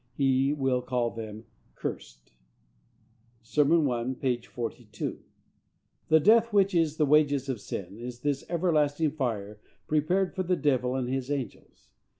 He will call them cursed. (Sermon 1, p. 42.) The death which is the wages of sin is this everlasting fire prepared for the devil and his angels.